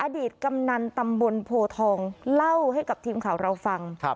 กำนันตำบลโพทองเล่าให้กับทีมข่าวเราฟัง